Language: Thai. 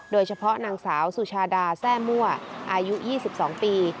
โดยเฉพาะนางสาวสุชาดาแซ่มั่วอายุ๒๒ปี